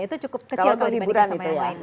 itu cukup kecil kalau dibandingkan sama yang lain